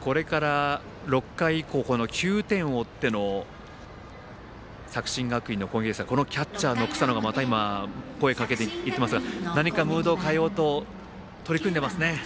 これから６回以降９点を追っての作新学院の攻撃ですがキャッチャーの草野がまた声をかけに行っていますが何かムードを変えようと取り組んでいますね。